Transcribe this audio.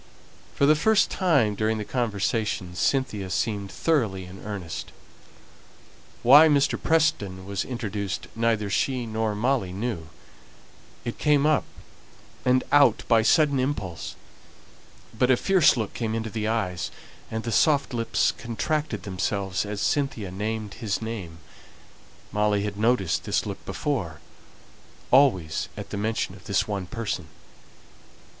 For the first time during the conversation Cynthia seemed thoroughly in earnest. Why Mr. Preston was introduced neither she nor Molly knew; it came up and out by a sudden impulse; but a fierce look came into the eyes, and the soft lips contracted themselves as Cynthia named his name. Molly had noticed this look before, always at the mention of this one person.